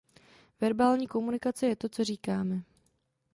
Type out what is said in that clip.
Verbální komunikace je to co říkáme.